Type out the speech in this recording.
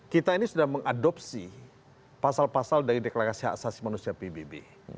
kita ini sudah mengadopsi pasal pasal dari deklarasi hak asasi manusia pbb